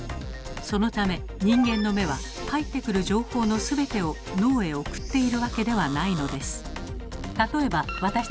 そのため人間の目は入ってくる情報のすべてを脳へ送っているわけではないのです。